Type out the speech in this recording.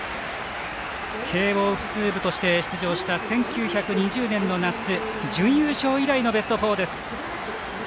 慶応普通部として出場した１９２０年の夏準優勝以来のベスト４です。